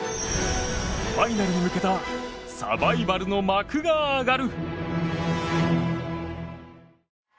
ファイナルに向けたサバイバルの幕が上がる。